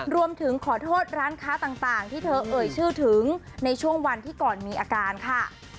รวมถึงขอโทษร้านค้าต่างที่เธอเอ่ยชื่อถึงในช่วงวันที่ก่อนมีอาการค่ะ